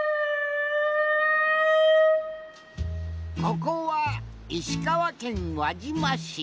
ここは石川県輪島市。